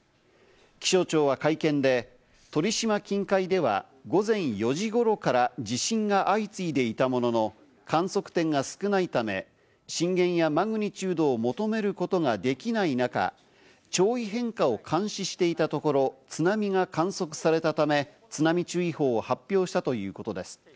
気象庁は会見で鳥島近海では午前４時ごろから地震が相次いでいたものの、観測点が少ないため、震源やマグニチュードを求めることができない中、潮位変化を監視していたところ、津波が観測されたため、津波注意報を発表したということです。